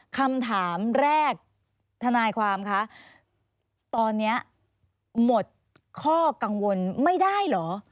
คำถามแรกธนายความคะตอนนี้หมดข้อกังวลไม่ได้เหรอ